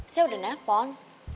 saya udah nelfon